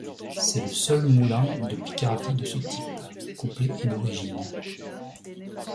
C'est le seul moulin de Picardie de ce type, complet et d’origine.